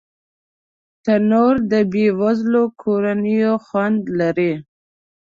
تنور د بې وزلو کورونو خوند لري